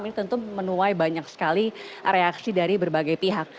ini tentu menuai banyak sekali reaksi dari berbagai pihak